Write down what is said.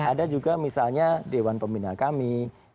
ada juga misalnya dewan pembina kami